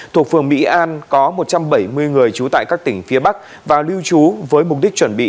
thuộc phường mỹ an có một trăm bảy mươi người trú tại các tỉnh phía bắc vào lưu trú với mục đích chuẩn bị